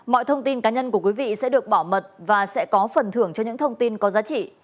mọi thông tin cá nhân của quý vị sẽ được bảo mật và sẽ có phần thưởng cho những thông tin có giá trị